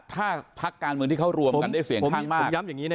ถ้าพักการเมืองที่เขารวมกันได้เสียงข้างมาก